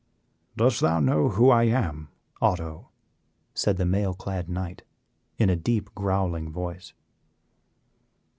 "Dost know who I am, Otto? said the mail clad knight, in a deep, growling voice.